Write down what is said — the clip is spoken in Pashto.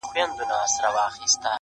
o مرگ کله نخرې کوي، کله پردې کوي!